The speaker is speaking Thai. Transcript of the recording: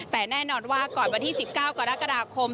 แต่แน่นอนว่าก่อนวันที่๑๙กรกฎาคม